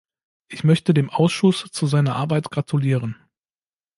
Ich möchte dem Ausschuss zu seiner Arbeit gratulieren.